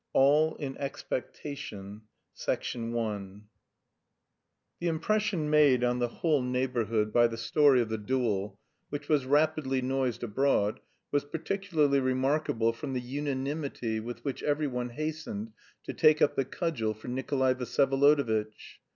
ALL IN EXPECTATION I The impression made on the whole neighbourhood by the story of the duel, which was rapidly noised abroad, was particularly remarkable from the unanimity with which every one hastened to take up the cudgels for Nikolay Vsyevolodovitch.